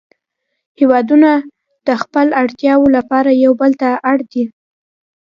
هیوادونه د خپلو اړتیاوو لپاره یو بل ته اړ دي